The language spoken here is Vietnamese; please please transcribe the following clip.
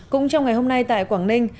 cũng trong ngày hôm nay tại quảng ninh